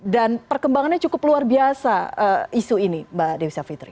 dan perkembangannya cukup luar biasa isu ini mbak dewisa fitri